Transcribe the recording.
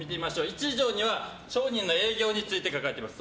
１条には商人の営業について書かれています。